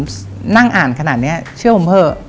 ผมนั่งอ่านขนาดนี้เชื่อผมเถอะ